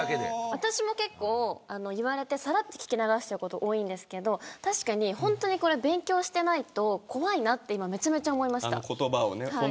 私も結構、言われてさらっと聞き流しちゃうこと多いんですけど確かに、これは勉強してないと怖いなって今めちゃめちゃ思いました。